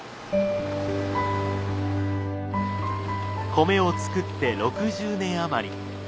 米を作って６０年余り。